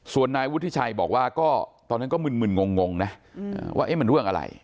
ส่วนนายวุฒิชัยบอกว่าก็ตอนนั้นก็มึนงงนะว่ามันเรื่องอะไร